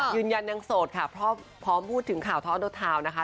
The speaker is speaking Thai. ยืนยันยังโสดค่ะพร้อมพูดถึงข่าวทอดโอทาวน์นะคะ